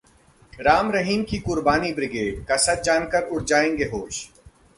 राम रहीम की 'कुर्बानी ब्रिगेड' का सच जानकर उड़ जाएंगे होश!